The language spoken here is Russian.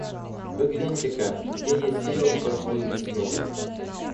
Вы гляньте-ка, где я сеял прошлую весну.